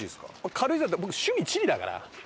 軽井沢って僕趣味地理だから！